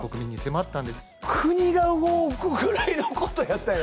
国が動くぐらいのことやったんや。